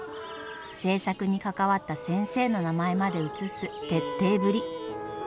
制作に関わった先生の名前まで写す徹底ぶり。